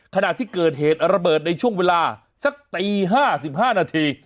ขณะที่เกิดเหตุระเบิดในช่วงเวลาสักตี๕๕นาที